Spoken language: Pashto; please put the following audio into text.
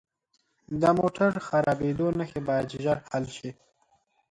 د موټر خرابیدو نښې باید ژر حل شي.